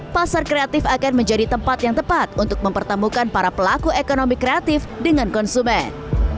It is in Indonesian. pasar kreatif akan menjadi tempat yang tepat untuk mempertemukan para pelaku ekonomi kreatif dengan konsumen